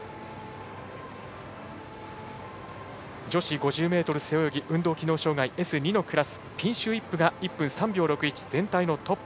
女子５０ｍ背泳ぎ運動機能障がいＳ２のクラスピンシュー・イップが１分３秒６１で全体トップ。